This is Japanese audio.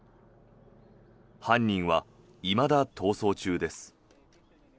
犯人はいまだ逃走中です。